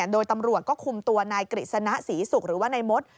โดยตำรวจก็คุมตัวนายกฤษณะศรีศุกร์หรือว่านายมด